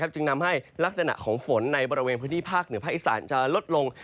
จึงทำให้ลักษณะของฝนในบริเวณพื้นที่ภาคเหนือภาคอีสานจะลดลง